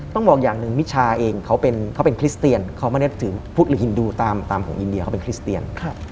ต้องบอกอย่างหนึ่งมิชาเองเขาเป็นคริสเตียนเขาไม่ได้ถือพุทธหรือฮินดูตามของอินเดียเขาเป็นคริสเตียน